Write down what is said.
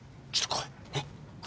来い！